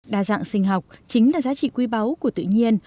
đa dạng sinh học chính là giá trị quý báu của tự nhiên